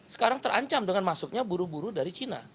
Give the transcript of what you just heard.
sekarang terancam dengan masuknya buru buru dari cina